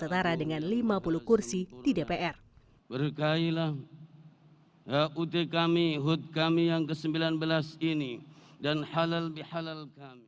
yang setara dengan lima puluh kursi di dpr